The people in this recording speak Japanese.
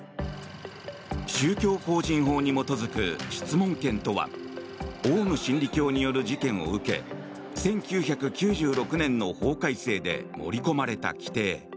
宗教法人法に基づく質問権とはオウム真理教による事件を受け１９９６年の法改正で盛り込まれた規定。